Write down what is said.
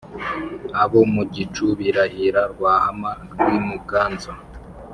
abo mu gicu birahira rwahama rw'i muganza.